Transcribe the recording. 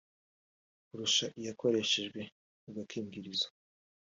kurusha iyakoreshejwe agakingirizo